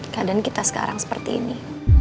keadaan kita sekarang seperti ini